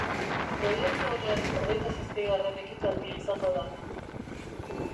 Proiektu honen hogeita zazpigarren ekitaldia izango da.